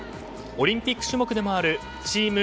オリンピック種目でもあるチーム